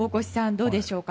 どうでしょうか。